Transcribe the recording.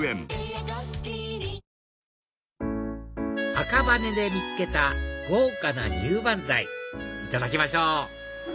赤羽で見つけた豪華なにゅばんざいいただきましょう！